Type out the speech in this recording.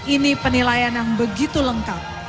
ini penilaian yang begitu lengkap